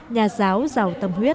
nhà giáo giàu tâm huyết